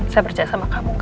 saya percaya sama kamu